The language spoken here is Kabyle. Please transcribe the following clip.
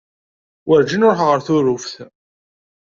Werǧin ruḥeɣ ɣer Tuṛuft.